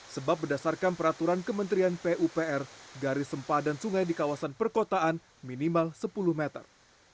sebab berdasarkan peraturan kementerian pupr garis sempadan sungai di kawasan perkotaan minimal sepuluh meter